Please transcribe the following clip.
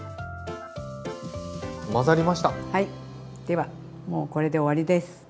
ではもうこれで終わりです。